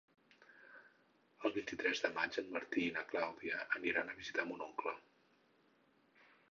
El vint-i-tres de maig en Martí i na Clàudia aniran a visitar mon oncle.